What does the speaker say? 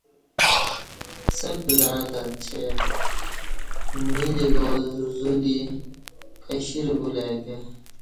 څنگ زعں تت چے نیلی گاستہ زو دی کشر بُلہ ای کہ